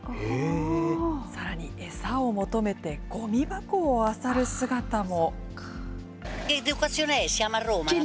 さらに餌を求めてごみ箱をあさる姿も。